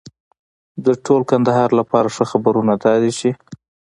د ټول کندهار لپاره ښه خبرونه دا دي چې